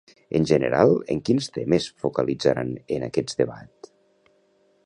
En general, en quins temes focalitzaran en aquest debat?